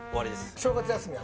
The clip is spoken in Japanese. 正月休みは？